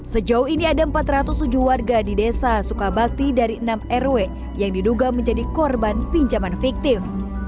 sejauh ini ada empat ratus tujuh warga di desa sukabakti dari enam rw yang diduga menjadi korban pinjaman fiktif